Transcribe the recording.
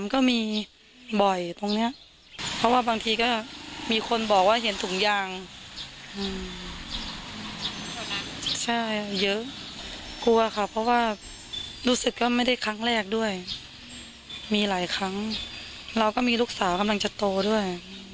ก็ไม่ได้ครั้งแรกด้วยมีหลายครั้งเราก็มีลูกสาวกำลังจะโตด้วย